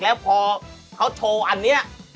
แล้วพอเขาโชว์อันนี้